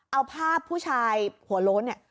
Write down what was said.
เอาภาพผู้ชายหัวโล้นเนี่ย